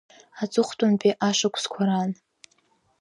Аҵыхәтәантәи ашықәсқәа раан…